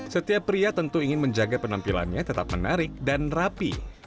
setiap pria tentu ingin menjaga penampilannya tetap menarik dan rapi